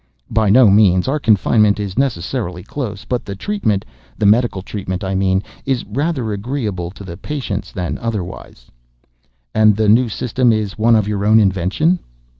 "By no means. Our confinement is necessarily close; but the treatment—the medical treatment, I mean—is rather agreeable to the patients than otherwise." "And the new system is one of your own invention?"